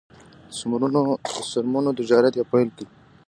د څرمنو تجارت یې پیل کړ.